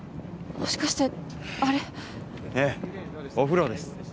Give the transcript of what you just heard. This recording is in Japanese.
もしかしてあれええお風呂です